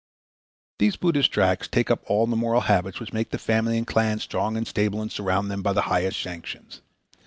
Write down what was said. These Buddhist tracts take up all the moral habits which make the family and clan strong and stable and surround them by the highest sanctions.